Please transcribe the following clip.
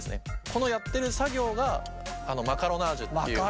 このやってる作業がマカロナージュっていう。